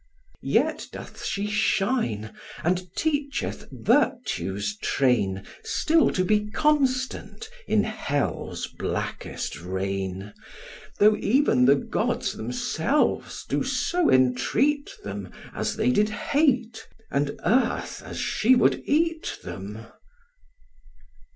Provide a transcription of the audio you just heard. Yet doth she shine, and teacheth Virtue's train Still to be constant in hell's blackest reign, Though even the gods themselves do so entreat them As they did hate, and earth as she would eat them."